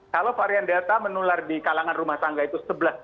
kalau varian delta menular di kalangan rumah tangga itu